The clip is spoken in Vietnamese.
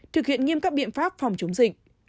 thực hiện nghiêm cấp biện pháp phòng chống dịch